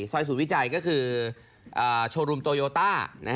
ซอยส่วนวิจัยก็คือโชโรมโตโยต้านะครับ